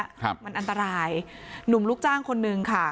ครับมันอันตรายหนุ่มลูกจ้างคนนึงค่ะ